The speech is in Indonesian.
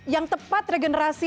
yang tepat regenerasi